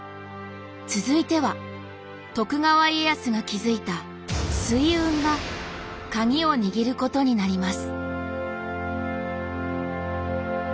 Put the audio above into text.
続いては徳川家康が築いた水運が鍵を握ることになります。